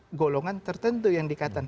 ada golongan tertentu yang dikatakan